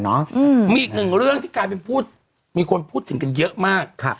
มีอีกหนึ่งเรื่องที่กลายเป็นพูดมีคนพูดถึงกันเยอะมาก